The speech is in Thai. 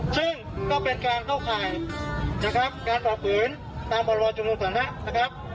ซึ่งก็เป็นการเข้าข่ายนะครับการปลอบปืนตามบริวารจุบนุมศาลนะนะครับ